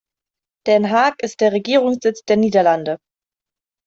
Den Haag ist der Regierungssitz der Niederlande.